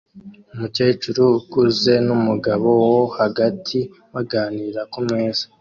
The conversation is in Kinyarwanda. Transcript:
umukecuru ukuze numugabo wo hagati baganira kumeza